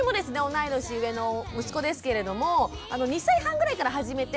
同い年上の息子ですけれども２歳半ぐらいから始めて。